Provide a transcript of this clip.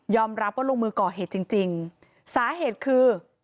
ยอมรับว่าลงมือก่อเหตุจริงสาเหตุคือ